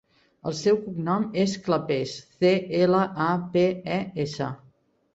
El seu cognom és Clapes: ce, ela, a, pe, e, essa.